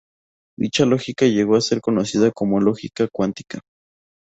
Dicha lógica llegó a ser conocida como "lógica cuántica".